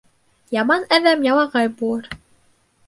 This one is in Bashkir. Яман әҙәм ялағай булыр.